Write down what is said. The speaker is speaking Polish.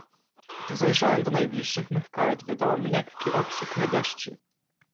"Gdy zajrzałem do najbliższych mych kart, wydałem lekki okrzyk radości."